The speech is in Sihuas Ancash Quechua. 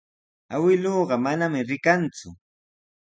Awkilluu manami rikanku.